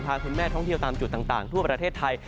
พาคุณแม่ท่องเที่ยวตามจุดต่างทั่วประเทศไทย